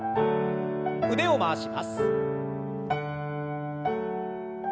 腕を回します。